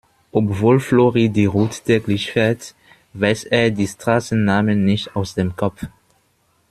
Obwohl Flori die Route täglich fährt, weiß er die Straßennamen nicht aus dem Kopf.